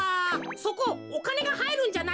そこおかねがはいるんじゃないか？